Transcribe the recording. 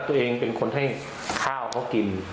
ตัวเองเป็นคนให้ข้าวเขากิน